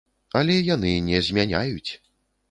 Але яны не змяняюць!